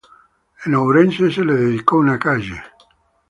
En Ourense se le dedicó una calle.